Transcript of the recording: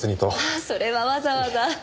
ああそれはわざわざ。